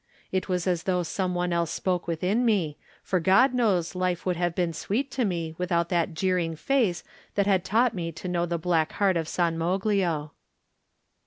It was as though some one else spoke within me, for God knows life would have been sweet to me without that jeering face that had taught me to know the black heart of San Moglio.